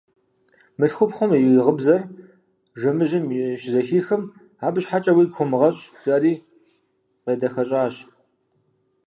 Мылъхупхъум и гъыбзэр жэмыжьым щызэхихым: – Абы щхьэкӀэ уигу хомыгъэщӀ, – жиӀэри къедэхэщӀащ.